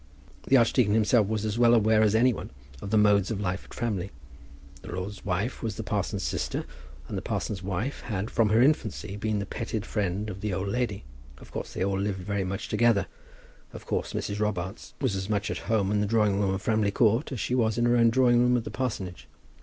The archdeacon himself was as well aware as any one of the modes of life at Framley. The lord's wife was the parson's sister, and the parson's wife had from her infancy been the petted friend of the old lady. Of course they all lived very much together. Of course Mrs. Robarts was as much at home in the drawing room of Framley Court as she was in her own drawing room at the parsonage.